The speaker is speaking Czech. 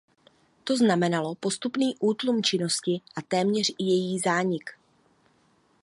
To znamenalo postupný útlum činnosti a téměř i její zánik.